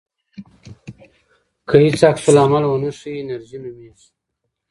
که هیڅ عکس العمل ونه ښیې انېرژي نومېږي.